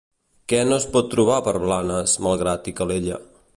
Què no es pot trobar per Blanes, Malgrat i Calella?